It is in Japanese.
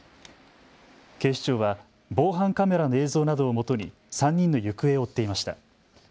警視庁は防犯カメラの映像などをもとに３人の行方を追っていました。